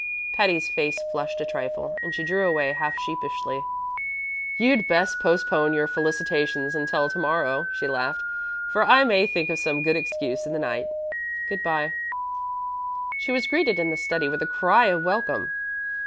Patty's face flushed a trifle and she drew away half sheepishly. "You'd best postpone your felicitations until to morrow," she laughed, "for I may think of some good excuse in the night. Good by." She was greeted in the study with a cry of welcome.